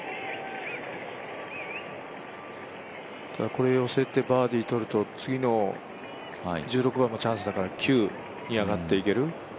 これ寄せてバーディー取ると次の１６番もチャンスだから９に上がっていける。